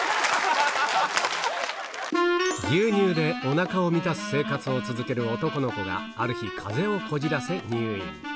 牛乳でおなかを満たす生活を続ける男の子が、ある日、かぜをこじらせ、入院。